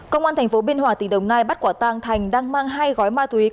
công an thành phố biên hòa tỉnh đồng nai bắt quả tăng thành đang mang hai gói ma túy